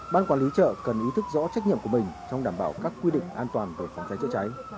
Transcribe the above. ban quản lý chợ cần ý thức rõ trách nhiệm của mình trong đảm bảo các quy định an toàn về phòng cháy chữa cháy